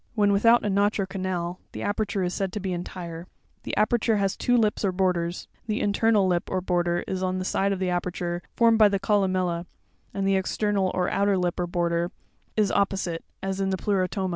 When without a notch or canal, the aperture is said to be entire (fig. 51). The aperture has two lips or borders; the internal lip, or border, is on the side of the aperture, formed by the columella, and the external, or outer lip, or border, is oppo site, as in the Pleurotoma (fig.